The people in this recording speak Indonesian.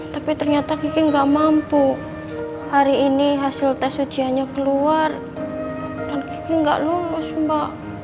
tapi ternyata kiki nggak mampu hari ini hasil tes ujiannya keluar dan kiki nggak lulus mbak